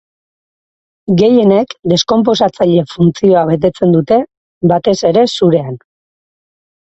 Gehienek deskonposatzaile funtzioa betetzen dute, batez ere zurean.